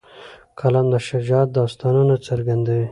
قلم د شجاعت داستانونه څرګندوي